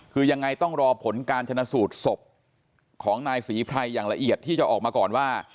คือยังไงต้องรอผลการชนะสูตรศพของนายศรีไพรอย่างละเอียดที่จะออกมาก่อนว่า